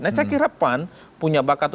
nah saya kira pan punya bakat